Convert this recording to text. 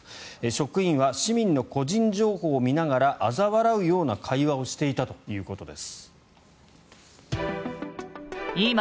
職員は市民の個人情報を見ながらあざ笑うような会話をしていたということです。